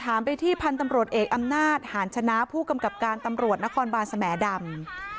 ไปที่พันธุ์ตำรวจเอกอำนาจหาญชนะผู้กำกับการตำรวจนครบานสแหมดำ